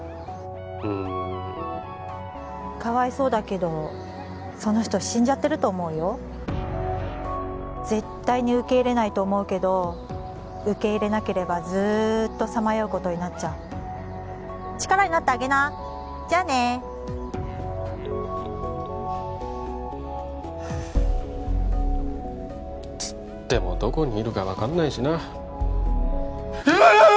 うんかわいそうだけどその人死んじゃってると思うよ絶対に受け入れないと思うけど受け入れなければずーっとさまようことになっちゃう力になってあげなじゃあねつってもどこにいるか分かんないしなうわー！